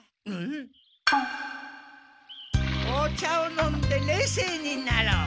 お茶を飲んでれいせいになろう。